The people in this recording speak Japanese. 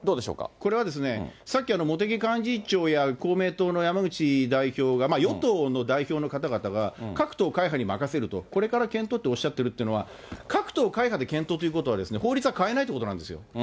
これはさっき茂木幹事長や公明党の山口代表が、与党の代表の方々が、各党会派に任せると、これから検討っておっしゃってるっていうのは、各党会派で検討ということは、法律は変えないということなんですよ。